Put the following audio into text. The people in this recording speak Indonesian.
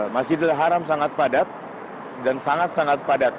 masjidil haram sangat padat dan sangat sangat padat